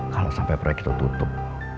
kalo sampe proyek itu tutup